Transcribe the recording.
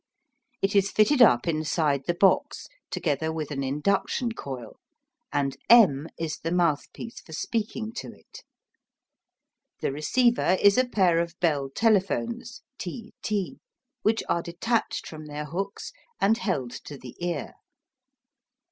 It is fitted up inside the box, together with an induction coil, and M is the mouthpiece for speaking to it. The receiver is a pair of Bell telephones T T, which are detached from their hooks and held to the ear.